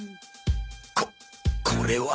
ここれは